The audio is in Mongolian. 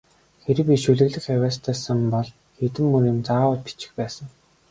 Хэрэв би шүлэглэх авьяастай сан бол хэдэн мөр юм заавал бичих байсан.